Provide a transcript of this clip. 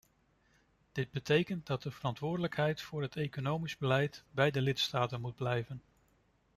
Dat betekent dat de verantwoordelijkheid voor het economisch beleid bij de lidstaten moet blijven.